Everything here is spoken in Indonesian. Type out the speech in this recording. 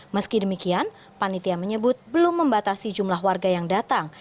meski demikian panitia menyebut belum membatasi jumlah warga yang datang